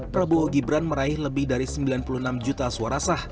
prabowo gibran meraih lebih dari sembilan puluh enam juta suara sah